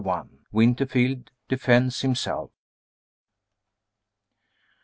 WINTERFIELD DEFENDS HIMSELF.